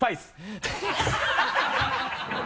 ハハハ